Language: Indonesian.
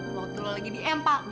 waktu lo lagi di empang